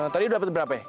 tadi lu dapet berapa ya